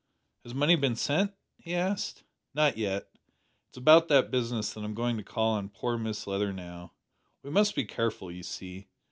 "Has money been sent?" he asked. "Not yet. It is about that business that I'm going to call on poor Mrs Leather now. We must be careful, you see.